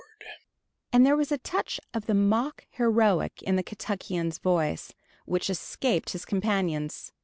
"Good Lord!" and there was a touch of the mock heroic in the Kentuckian's voice, which escaped his companions.